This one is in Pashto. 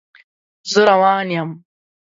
زه روان یم